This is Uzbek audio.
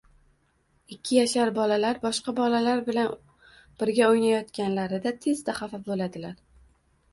Ikki yashar bolalar boshqa bolalar bilan birga o‘ynayotganlarida tezda xafa bo‘ladilar